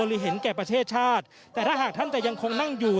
หรือเห็นแก่ประเทศชาติแต่ถ้าหากท่านจะยังคงนั่งอยู่